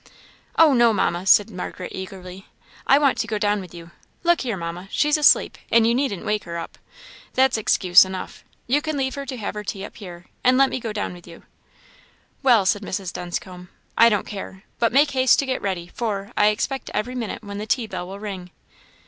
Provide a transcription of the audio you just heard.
"Oh no, Mamma!" said Margaret, eagerly "I want to go down with you. Look here, Mamma! she's asleep, and you needn't wake her up that's excuse enough; you can leave her to have her tea up here, and let me go down with you." "Well," said Mrs. Dunscombe, "I don't care but make haste to get ready, for I expect every minute when the tea bell will ring."